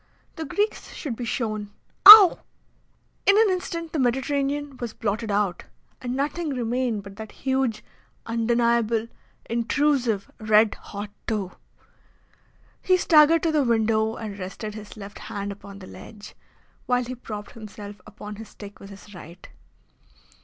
The Greeks should be shown Ow! In an instant the Mediterranean was blotted out, and nothing remained but that huge, undeniable, intrusive, red hot toe. He staggered to the window and rested his left hand upon the ledge, while he propped himself upon his stick with his right.